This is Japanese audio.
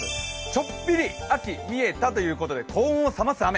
ちょっぴり秋見えたということで高温を冷ます雨。